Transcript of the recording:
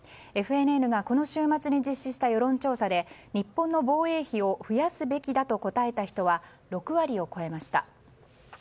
ＦＮＮがこの週末に実施した世論調査で日本の防衛費を増やすべきだと答えた人は６割を超えました。